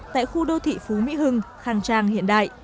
tại khu đô thị phú mỹ hưng khang trang hiện đại